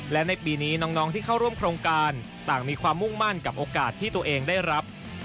และในปีนี้น้องที่เข้าร่วมโครงการต่างมีความมุ่งมั่นกับโอกาสที่ตัวเองได้รับ